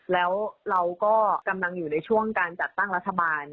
แล้วเราก็กำลังอยู่ในช่วงการจัดตั้งรัฐบาล